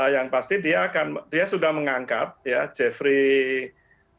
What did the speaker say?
yang pasti dia sudah mengusir strategi yang segera akan kita lihat persisnya seperti apa